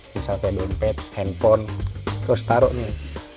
misalnya kayak dompet handphone terus taruh nih